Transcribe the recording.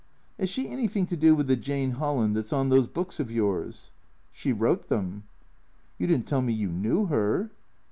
" 'As she anything to do with the Jane Holland that 's on those books of yours ?"" She wrote 'em." " You did n't tell me you knew her."